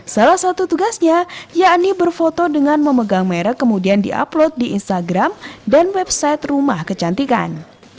salah satu tugasnya yakni berfoto dengan memegang merek kemudian di upload di instagram dan website rumah kecantikan